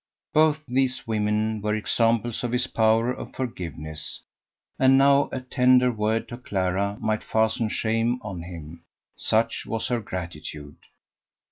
Both these women were examples of his power of forgiveness, and now a tender word to Clara might fasten shame on him such was her gratitude!